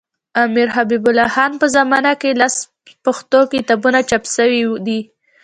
د امیرحبیب الله خان په زمانه کي لس پښتو کتابونه چاپ سوي دي.